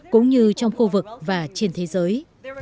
cũng như trong khu vực và trên thế giới